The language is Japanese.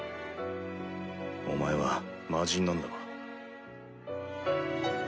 お前は魔人なんだろ？